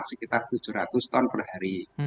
sekitar tujuh ratus ton per hari